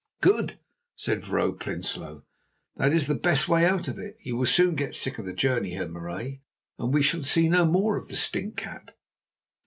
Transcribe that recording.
"Good," said Vrouw Prinsloo; "that is the best way out of it. You will soon get sick of the journey, Heer Marais, and we shall see no more of the stinkcat."